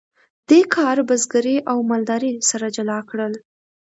دې کار بزګري او مالداري سره جلا کړل.